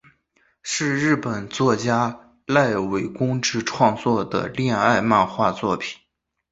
是日本漫画家濑尾公治创作的恋爱漫画作品。